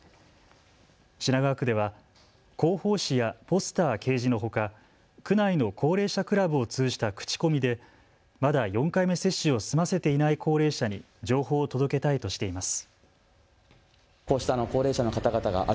品川区では広報紙やポスター掲示のほか、区内の高齢者クラブを通じた口コミでまだ４回目接種を済ませていない高齢者に情報を届けたいとしています。